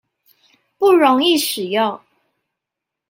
不容易使用